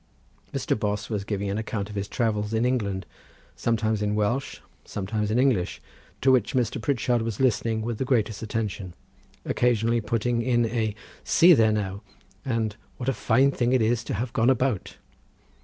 Mr. Bos was giving an account of his travels in England, sometimes in Welsh, sometimes in English, to which Mr. Pritchard was listening with the greatest attention, occasionally putting in a "see there now," and "what a fine thing it is to have gone about."